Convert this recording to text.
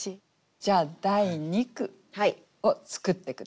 じゃあ第二句を作って下さい。